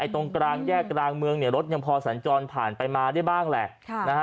ตรงกลางแยกกลางเมืองเนี่ยรถยังพอสัญจรผ่านไปมาได้บ้างแหละ